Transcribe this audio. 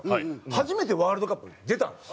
初めてワールドカップに出たんです。